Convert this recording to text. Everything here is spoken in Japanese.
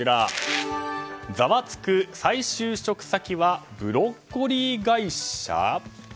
ざわつく、再就職先はブロッコリー会社？